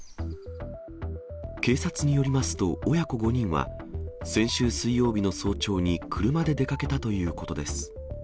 警察によりますと、親子５人は、先週水曜日の早朝に車で出かけたということです。